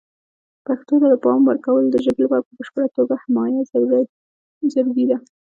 پښتو ته د پام ورکول د ژبې لپاره په بشپړه توګه حمایه ضروري ده.